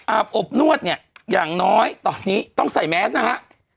อบนวดเนี่ยอย่างน้อยตอนนี้ต้องใส่แมสนะฮะ